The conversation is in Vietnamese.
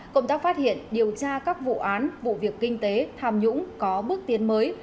công tác phát hiện điều tra các vụ án vụ việc kinh tế tham nhũng có bước tiến mới